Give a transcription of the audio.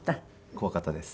怖かったです。